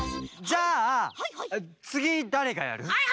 じゃあつぎだれがやる？